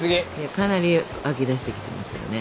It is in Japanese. かなり湧き出してきてますけどね。